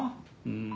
うん。